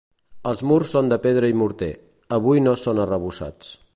Els murs són de pedra i morter, avui no són arrebossats.